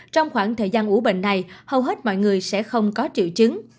trong khoảng thời gian ủ bệnh này hầu hết mọi người sẽ không có triệu chứng